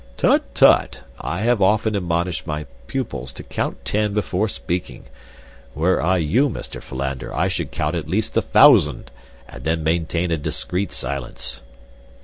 "Tut, tut! I have often admonished my pupils to count ten before speaking. Were I you, Mr. Philander, I should count at least a thousand, and then maintain a discreet silence."